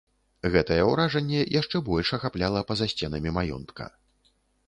Гэтае ўражанне яшчэ больш ахапляла па-за сценамі маёнтка.